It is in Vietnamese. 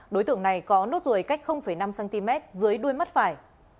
đối tượng này có nốt ruồi cách năm cm dưới đuôi mắt phải